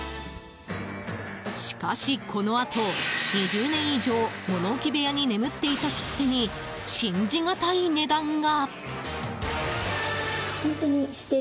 しかし、このあと２０年以上、物置部屋に眠っていた切手に信じがたい値段が。